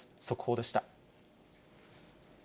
速報でした。